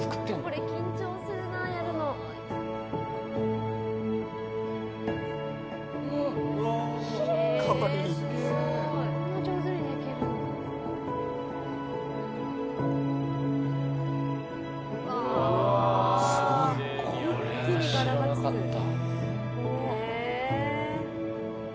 これ知らなかった。